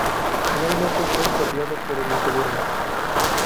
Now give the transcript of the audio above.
Finalmente, fue expropiado por el gobierno.